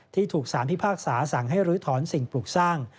ที่ถูกสารพิพากษาสั่งให้ลื้อถอนสิ่งปลูกสร้าง